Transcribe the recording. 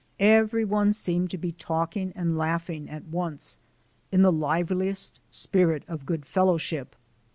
Every one seemed to be talking and laughing at once, in the liveliest spirit of good fellowship.